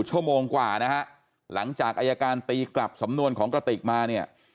ชั่วโมงกว่านะฮะหลังจากอายการตีกลับสำนวนของกระติกมาเนี่ย